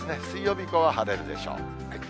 水曜日以降は晴れるでしょう。